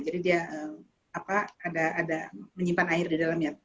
jadi dia ada menyimpan air di dalamnya